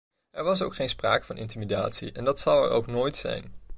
Er was ook geen sprake van intimidatie en dat zal er ook nooit zijn.